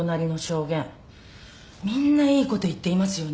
みんないいこと言っていますよね。